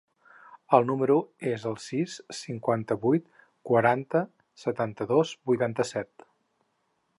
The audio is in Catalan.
El meu número es el sis, cinquanta-vuit, quaranta, setanta-dos, vuitanta-set.